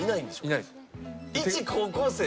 いないです。